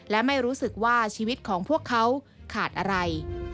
และไม่รู้สึกว่าชีวิตของพวกเขาขาดอะไร